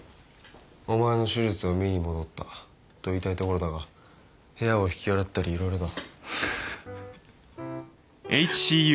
お前の手術を見に戻ったと言いたいところだが部屋を引き払ったり色々だ。